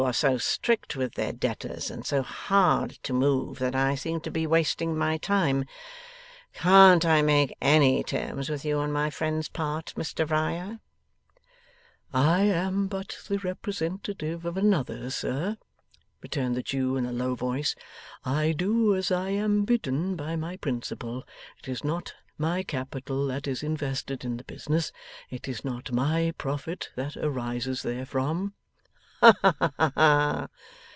are so strict with their debtors, and so hard to move, that I seem to be wasting my time. Can't I make ANY terms with you on my friend's part, Mr Riah?' 'I am but the representative of another, sir,' returned the Jew in a low voice. 'I do as I am bidden by my principal. It is not my capital that is invested in the business. It is not my profit that arises therefrom.' 'Ha ha!